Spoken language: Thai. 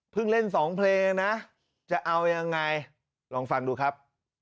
เล่นสองเพลงนะจะเอายังไงลองฟังดูครับ